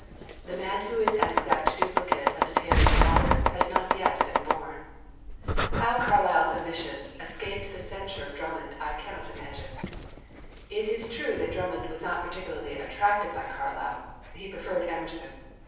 The man who is an exact duplicate of the tailor's model has not yet been born. How Carlyle's omission escaped the censure of Drummond I cannot imagine. It is true that Drummond was not particularly attracted by Carlyle; he preferred Emerson.